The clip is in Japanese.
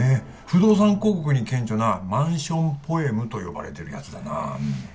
不動産広告に顕著なマンションポエムと呼ばれてるやつだな